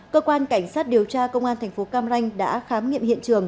cơ quan cảnh sát điều tra công an tp cam ranh đã khám nghiệm hiện trường